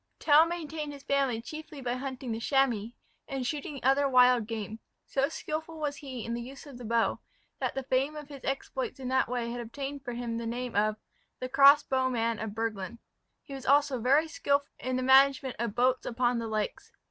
Tell maintained his family chiefly by hunting the chamois, and shooting other wild game. So skilful was he in the use of the bow, that the fame of his exploits in that way had obtained for him the name of "The Crossbowman of Burglen." He was also very skilful in the management of boats upon the lakes.